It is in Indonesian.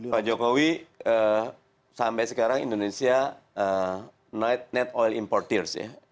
pak jokowi sampai sekarang indonesia net oil importer